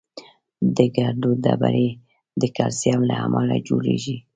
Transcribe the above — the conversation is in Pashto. د ګردو ډبرې د کلسیم له امله جوړېږي.